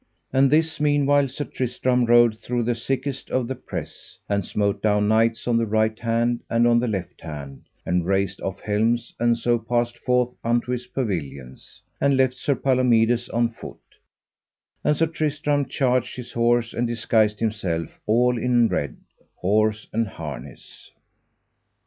And this meanwhile Sir Tristram rode through the thickest of the press, and smote down knights on the right hand and on the left hand, and raced off helms, and so passed forth unto his pavilions, and left Sir Palomides on foot; and Sir Tristram changed his horse and disguised himself all in red, horse and harness.